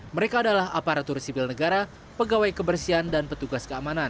mereka adalah aparatur sipil negara pegawai kebersihan dan petugas keamanan